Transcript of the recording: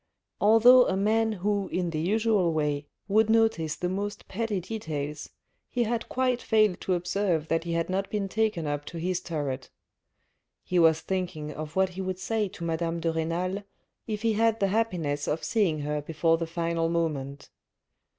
Although a man who in the usual way would notice the most petty details, he had quite failed to observe that he had not been taken up to his turret. He was thinking of what he would say to madame de Renal if he had the happiness of seeing her before the final moment.